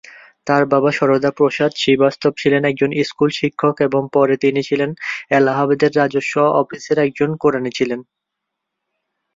তার বাবা সারদা প্রসাদ শ্রীবাস্তব ছিলেন একজন স্কুল শিক্ষক এবং পরে তিনি ছিলেন এলাহাবাদের রাজস্ব অফিসের একজন কেরানি ছিলেন।